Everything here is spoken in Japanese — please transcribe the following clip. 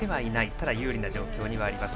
ただ、有利な状況にはあります。